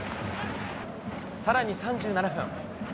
さらに３７分。